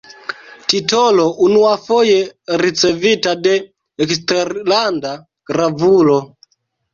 Titolo unuafoje ricevita de eksterlanda gravulo.